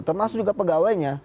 termasuk juga pegawainya